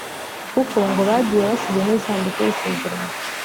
kuko ngo bagiye basize n’isanduku y’isezerano